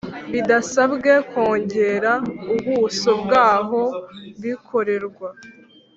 bidasabye kongera ubuso bw'aho bikorerwa,